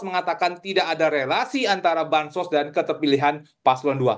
mengatakan tidak ada relasi antara bansos dan keterpilihan paslon dua